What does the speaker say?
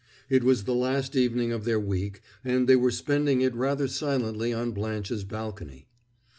It was the last evening of their week, and they were spending it rather silently on Blanche's balcony.